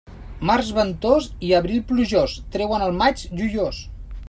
Març ventós i abril plujós, treuen el maig joiós.